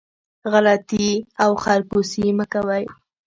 غلطي او خرکوسي مه کوئ